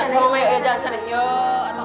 sama mama jangan kesana